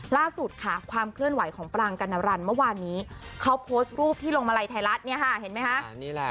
ล่าสุดค่ะความเคลื่อนไหวของปรางกัณรันเมื่อวานนี้เขาโพสต์รูปที่ลงมาลัยไทยรัฐเนี่ยค่ะเห็นไหมคะ